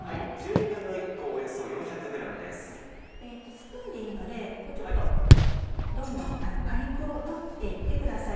スプーンでいいのでちょっとどんどん果肉を取って行ってください。